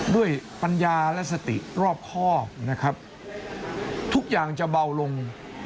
ปัญญาและสติรอบข้อนะครับทุกอย่างจะเบาลง